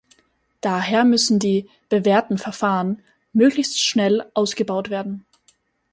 Daher müssen die "bewährten Verfahren" möglichst schnell ausgebaut werden.